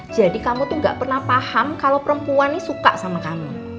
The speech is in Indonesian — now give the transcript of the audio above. kamu tuh gak pernah paham kalau perempuan ini suka sama kamu